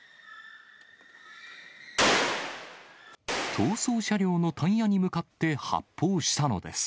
逃走車両のタイヤに向かって発砲したのです。